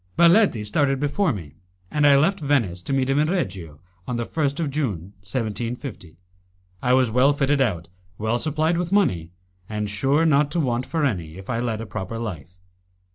Baletti started before me, and I left Venice, to meet him in Reggio, on the 1st of June, 1750. I was well fitted out, well supplied with money, and sure not to want for any, if I led a proper life.